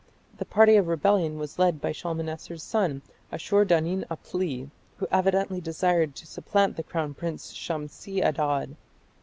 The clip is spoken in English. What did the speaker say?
The party of rebellion was led by Shalmaneser's son Ashur danin apli, who evidently desired to supplant the crown prince Shamshi Adad.